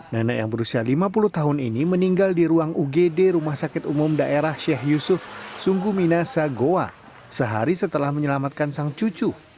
nenek yang berusia lima puluh tahun ini meninggal di ruang ugd rumah sakit umum daerah sheikh yusuf sungguh minasa goa sehari setelah menyelamatkan sang cucu